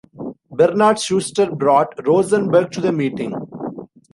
Bernard Schuster brought Rosenberg to the meeting.